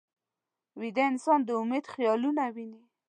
ویده انسان د امید خیالونه ویني